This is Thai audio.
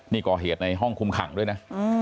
นี่ก่อเหตุในห้องคุมขังด้วยนะ